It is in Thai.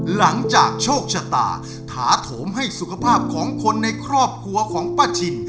หลังจากโชคชะตาถาโถมให้สุขภาพของคนในครอบครัวของป้าชิน